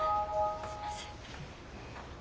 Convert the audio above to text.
すいません。